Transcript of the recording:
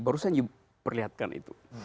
barusan you perlihatkan itu